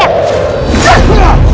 suamiku ini kenapa